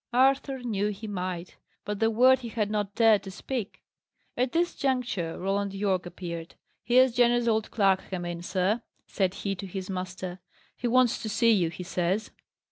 Arthur knew he might. But that word he had not dared to speak. At this juncture, Roland Yorke appeared. "Here's Jenner's old clerk come in, sir," said he to his master. "He wants to see you, he says."